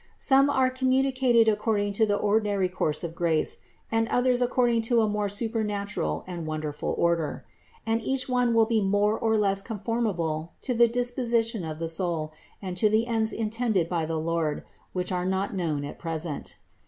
Some are com municated according to the ordinary course of grace and others according to a more supernatural and wonderful order; and each one will be more or less conformable to the disposition of the soul and to the ends intended by the Lord, which are not known at present.